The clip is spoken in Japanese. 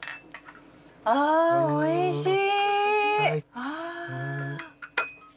あおいしい。